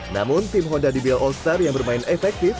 namun tim honda dbl all star yang bermain efektif